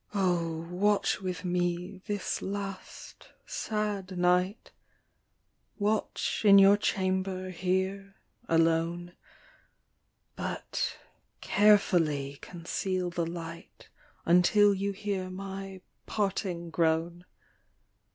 " O watch with me this last sad night, Watch in your chamber here alone, But carfully conceal the light Until you hear my parting groan.